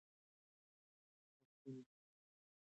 هر ستونزه د حل لار لري.